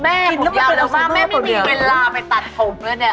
แม่ผมยาวเร็วแล้วก็ว่าแม่มันไม่มีเวลาไปตัดผมแล้วเนี่ย